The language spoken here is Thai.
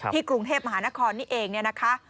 กรุงเทพมหานครนี่เองเนี่ยนะคะ